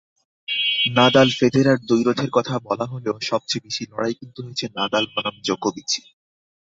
Nadal-Federer দ্বৈরথের কথা বলা হলেও সবচেয়ে বেশি লড়াই কিন্তু হয়েছে নাদাল বনাম জোকোভিচই।